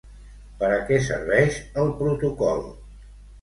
Per a què serveix el protocol?